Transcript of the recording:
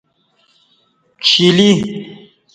چیلی